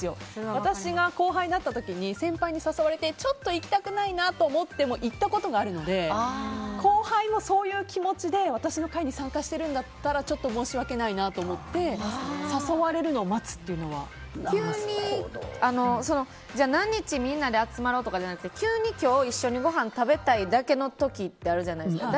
私が後輩だった時に先輩に誘われて、ちょっと行きたくないなと思っても行ったことがあるので後輩もそういう気持ちで私の会に参加してるんだったら申し訳ないと思って誘われるのを何日みんなで集まろうとかじゃなくて急に今日一緒にごはん食べたいだけの時ってあるじゃないですか。